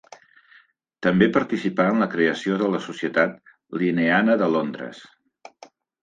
També participà en la creació de la Societat Linneana de Londres.